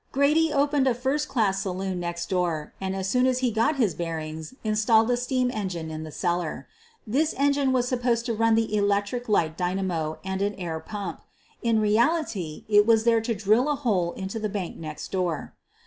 Grady opened a first class saloon next door, and as soon as he got his bearings installed a steam 'engine in the cellar. This engine was supposed to run the electric light dynamo and an air pump. In reality it was there to drill a hole into the bank next door.